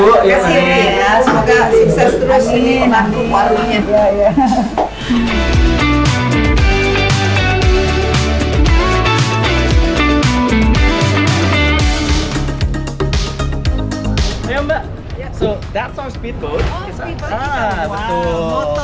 terima kasih ya semoga sukses terus